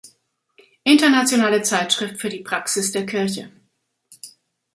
Internationale Zeitschrift für die Praxis der Kirche".